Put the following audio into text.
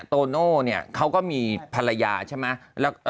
โตโน่เนี่ยเขาก็มีภรรยาใช่ไหม